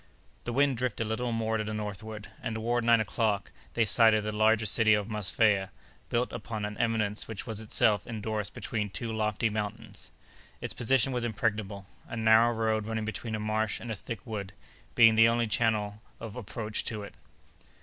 The wind drifted a little more to the northward, and, toward nine o'clock, they sighted the larger city of Mosfeia, built upon an eminence which was itself enclosed between two lofty mountains. Its position was impregnable, a narrow road running between a marsh and a thick wood being the only channel of approach to it.